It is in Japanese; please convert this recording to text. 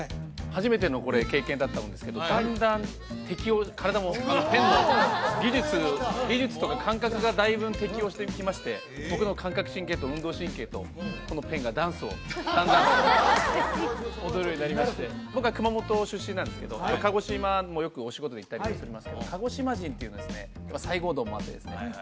初めてのこれ経験だったんですけどだんだん適応体もペンの技術技術とか感覚がだいぶ適応してきまして僕の感覚神経と運動神経とこのペンがダンスをだんだん踊るようになりまして僕は熊本出身なんですけど鹿児島もよくお仕事で行ったりとかもしますけど鹿児島人というのはですね西郷どんもあってですね